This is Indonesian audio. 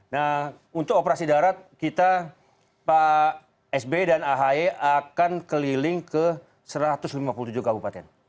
nah untuk operasi darat kita pak sby dan ahy akan keliling ke satu ratus lima puluh tujuh kabupaten